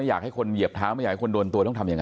อายุ๑๐ปีนะฮะเขาบอกว่าเขาก็เห็นถูกยิงนะครับ